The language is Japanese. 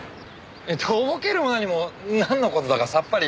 えっとぼけるも何もなんの事だかさっぱり。